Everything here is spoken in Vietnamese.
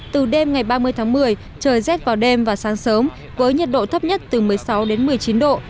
từ đêm ngày ba mươi tháng một mươi trời rét vào đêm và sáng sớm với nhiệt độ thấp nhất từ một mươi sáu đến một mươi chín độ